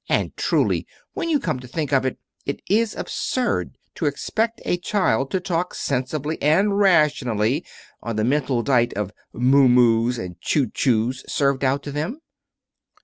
And truly, when you come to think of it, it is absurd to expect a child to talk sensibly and rationally on the mental diet of 'moo moos' and 'choo choos' served out to them.